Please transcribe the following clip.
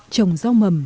trồng rau mầm